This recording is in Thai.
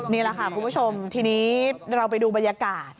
นี่แหละค่ะคุณผู้ชมทีนี้เราไปดูบรรยากาศ